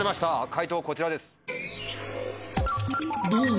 解答こちらです。